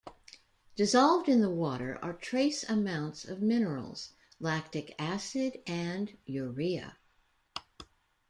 Dissolved in the water are trace amounts of minerals, lactic acid, and urea.